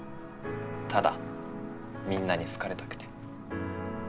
ただみんなに好かれたくて。